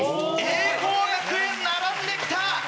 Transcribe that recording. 栄光学園並んできた！